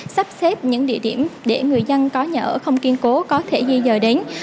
sắp xếp những địa điểm để người dân có nhà ở không kiên cố có thể di dời đến